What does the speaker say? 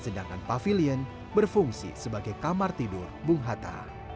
sedangkan pavilion berfungsi sebagai kamar tidur bung hatta